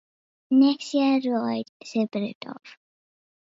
"Wnes i erioed," sibrydodd.